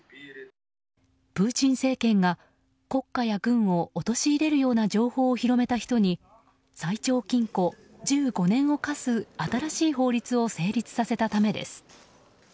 プーチン政権が国家や軍を陥れるような情報を広めた人に最長禁錮１５年を科す新しい法律を成立させたためです。